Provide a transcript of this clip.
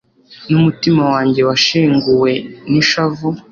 n'umutima wanjye washenguwe n'ishavu